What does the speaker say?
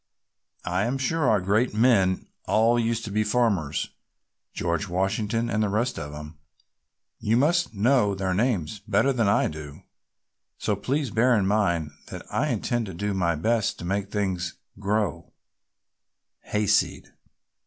I am sure our great men all used to be farmers, George Washington and the rest of 'em. You must know their names better than I do. So please bear in mind that I intend to do my best to make things grow hayseed!"